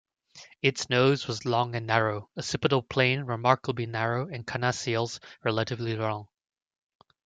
Its nose was long and narrow, occipital plane remarkably narrow and carnassials relatively long.